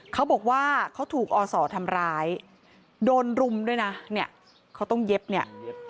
เขาบอกว่าเขาถูกอศทำร้ายโดนรุมด้วยนะเนี่ยเขาต้องเย็บเนี่ย